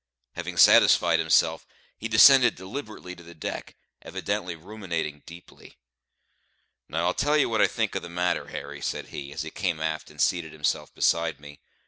Having satisfied himself, he descended deliberately to the deck, evidently ruminating deeply. "Now I'll tell ye what I think of the matter, Harry," said he, as he came aft and seated himself beside me.